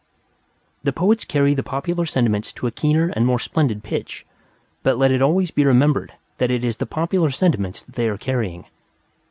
The Poets carry the popular sentiments to a keener and more splendid pitch; but let it always be remembered that it is the popular sentiments that they are carrying.